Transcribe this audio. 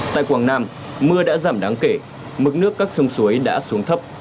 tại quảng nam mưa đã giảm đáng kể mực nước các sông suối đã xuống thấp